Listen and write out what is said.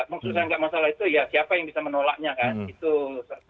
maksudnya enggak masalah itu ya siapa yang bisa menolaknya kan